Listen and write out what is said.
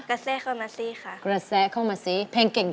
กะไซคอมเมอสี่ค่ะกะแซคอมมะซิเพลงเข่ง